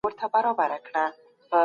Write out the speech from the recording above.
د ذهن قانون ستاسو راتلونکی ټاکي.